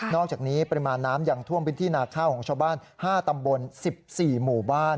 อกจากนี้ปริมาณน้ำยังท่วมพื้นที่นาข้าวของชาวบ้าน๕ตำบล๑๔หมู่บ้าน